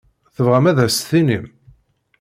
Tebɣam ad as-tinim?